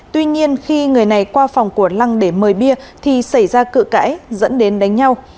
tuy nhiên khi người này qua phòng của lăng để mời bia thì xảy ra cự cãi dẫn đến đánh nhau